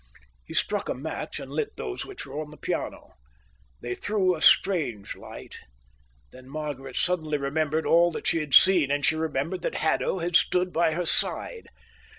He struck a match and lit those which were on the piano. They threw a strange light. Then Margaret suddenly remembered all that she had seen, and she remembered that Haddo had stood by her side.